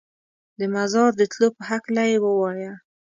د مزار د تلو په هکله یې ووایه.